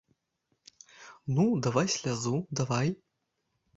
Ну, давай слязу, давай!